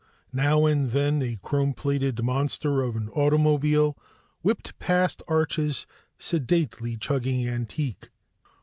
Now and then a chrome plated monster of an automobile whipped past Arch's sedately chugging antique.